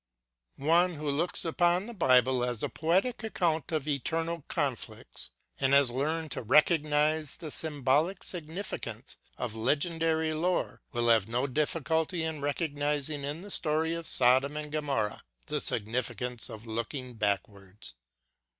. One who looks upon the Bible as a poetic account of eternal conflicts and has learned to recognise the symbolic significance of legendary lore will have no difficulty in recognizing in the story of Sodom and Gomorrah the significance of looking backwards.